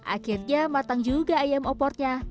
akhirnya matang juga ayam opornya